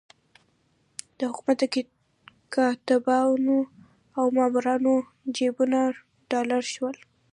د حکومت د کاتبانو او مامورانو جېبونه ډالري شول.